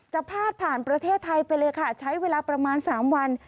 พาดผ่านประเทศไทยไปเลยค่ะใช้เวลาประมาณ๓วัน